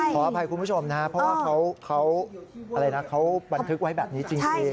ขออภัยคุณผู้ชมนะเพราะว่าเขาบันทึกไว้แบบนี้จริง